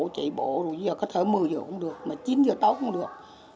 chạy bộ giờ có thể một mươi giờ cũng được chín giờ tối cũng được